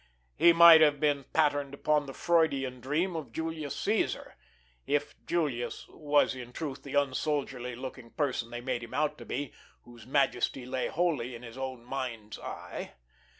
He might have been patterned upon the Freudian dream of Julius Cæsar, if Julius was in truth the unsoldierly looking person they made him out to be, whose majesty lay wholly in his own mind's eye.